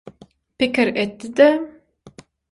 pikir etdi-de: